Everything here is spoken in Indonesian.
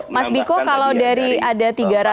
mas biko kalau dari ada tiga ratus lima puluh satu